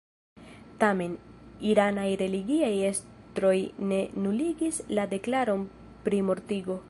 Tamen, iranaj religiaj estroj ne nuligis la deklaron pri mortigo.